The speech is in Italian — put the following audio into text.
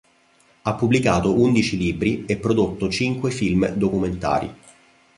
Ha pubblicato undici libri e prodotto cinque film documentari.